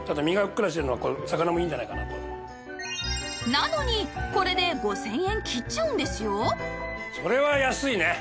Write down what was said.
なのにこれで５０００円切っちゃうんですよ